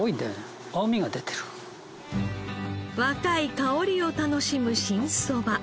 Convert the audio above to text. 若い香りを楽しむ新そば。